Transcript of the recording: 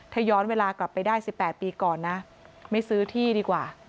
ถ้าย้อนเวลากลับไปได้๑๘ปีก่อนนะไม่ซื้อที่ดีกว่า